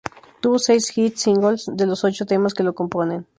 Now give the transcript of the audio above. Tuvo seis hit-singles de los ocho temas que lo componen.